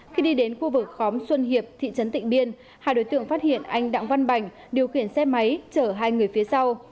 khi đi đến khu vực khóm xuân hiệp thị trấn tịnh biên hai đối tượng phát hiện anh đặng văn bành điều khiển xe máy chở hai người phía sau